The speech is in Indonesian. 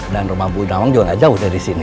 dan rumah bu nawang juga nggak jauh dari sini